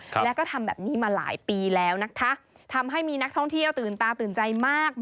แล้วก็ทำแบบนี้มาหลายปีแล้วนะคะทำให้มีนักท่องเที่ยวตื่นตาตื่นใจมาก